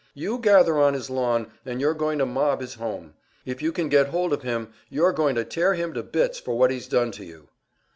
You gather on his lawn and you're going to mob his home; if you can get hold of him, you're going to tear him to bits for what he's done to you."